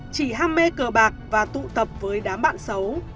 chỉ ham mê cờ bạc và tụ tập với đám bạn xấu